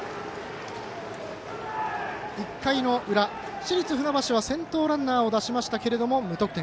１回の裏、市立船橋は先頭ランナーを出しましたが無得点。